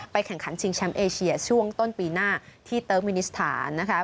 แข่งขันชิงแชมป์เอเชียช่วงต้นปีหน้าที่เติร์กมินิสถานนะคะ